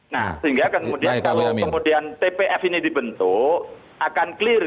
nah sehingga kemudian kalau kemudian tpf ini dibentuk akan clear